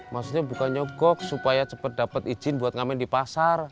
maksudnya bukan nyogok supaya cepat dapat izin buat ngamen di pasar